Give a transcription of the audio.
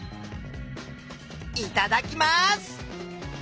いただきます。